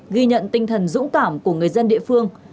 ghi nhận tinh thần dũng cảm của người dân địa phương